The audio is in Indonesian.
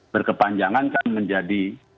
berkepanjangan kan menjadi